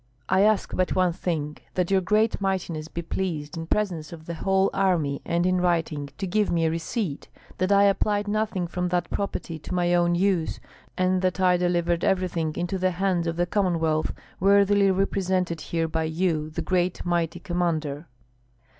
"I ask but one thing, that your great mightiness be pleased, in presence of the whole army and in writing, to give me a receipt, that I applied nothing from that property to my own use, and that I delivered everything into the hands of the Commonwealth, worthily represented here by you, the great mighty commander."